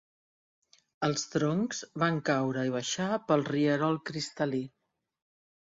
Els troncs van caure i baixar pel rierol cristal·lí.